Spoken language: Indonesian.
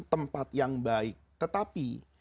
tempat yang baik tetapi